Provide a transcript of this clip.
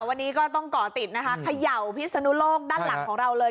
วันนี้ก็ต้องก่อติดนะคะเขย่าพิศนุโลกด้านหลังของเราเลย